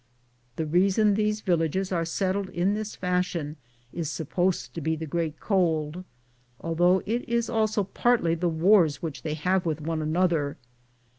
The reason these villages are settled in this fashion is supposed to be the great cold, although it is also partly the wars which they have with one another.